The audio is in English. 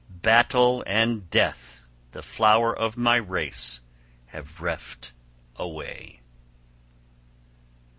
Battle and death the flower of my race have reft away."